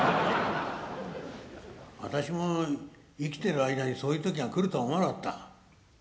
私も生きてる間にそういう時が来るとは思わなかった。